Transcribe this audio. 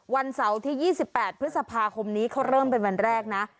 วันเสาร์ที่๒๘พฤษภาคมนี้เขาเริ่มเป็นวันแรกนะ